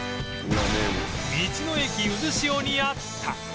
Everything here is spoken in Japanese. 道の駅うずしおにあった